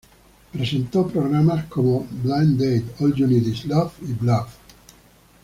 Presentó programas como "Blind Date", "All You Need is Love" y "Bluff!